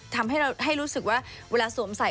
ทำให้รู้สึกว่าเวลาสวมใส่